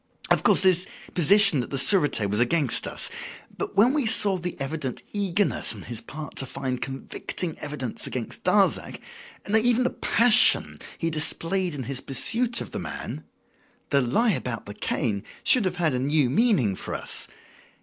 "Of course, his position at the Surete was against us; but when we saw the evident eagerness on his part to find convicting evidence against Darzac, nay, even the passion he displayed in his pursuit of the man, the lie about the cane should have had a new meaning for us.